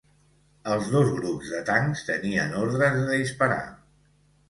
Els dos grups de tancs tenien ordres de disparar.